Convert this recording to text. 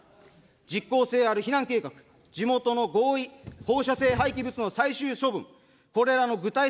実効性ある避難計画、地元の合意、放射性廃棄物の最終処分、これらの具体策